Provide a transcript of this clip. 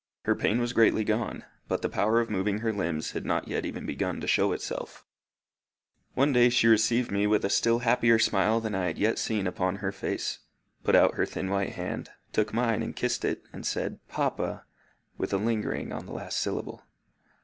Her pain was greatly gone, but the power of moving her limbs had not yet even begun to show itself. One day she received me with a still happier smile than I had yet seen upon her face, put out her thin white hand, took mine and kissed it, and said, "Papa," with a lingering on the last syllable.